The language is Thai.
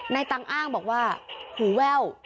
นายตังอ้างบอกว่าหูแวว